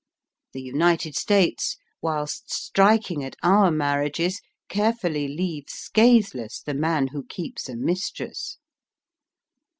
The United States, whilst strik ing at our marriages, carefully leave scathe less the man who keeps a mistress.